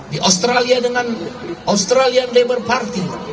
di australia dengan australian labour party